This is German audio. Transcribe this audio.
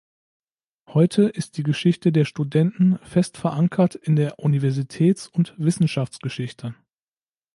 Heute ist die Geschichte der Studenten fest verankert in der Universitäts- und Wissenschaftsgeschichte.